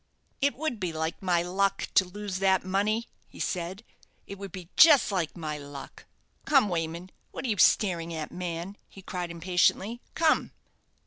"It would be like my luck to lose that money," he said; "it would be just like my luck. Come, Wayman. What are you staring at, man?" he cried impatiently. "Come."